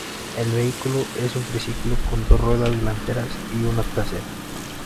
El vehículo es un triciclo con dos ruedas delanteras y una trasera.